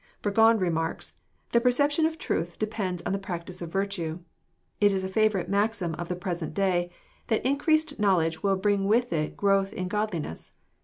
Bnrgon remarks :" The perception of truth depends on the practice of virtue. It is a favourite maxim of the present day, that increased knowledge will bring with it growth in godli ness.